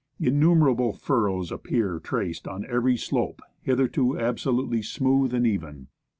Innumerable furrows appear traced on every, slope, hitherto absolutely smooth and even.